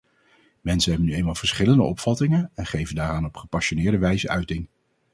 Mensen hebben nu eenmaal verschillende opvattingen en geven daaraan op gepassioneerde wijze uiting.